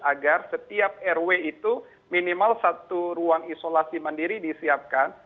agar setiap rw itu minimal satu ruang isolasi mandiri disiapkan